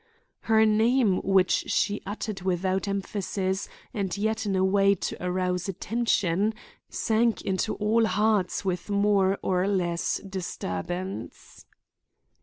Her name which she uttered without emphasis and yet in a way to arouse attention sank into all hearts with more or less disturbance.